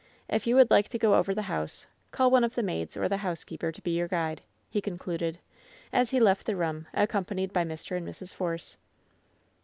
If you would like to go over the house, call one of the maids or the housekeeper to be your guide," he concluded, as he left the room, accompanied by Mr. and Mrs. Eorce.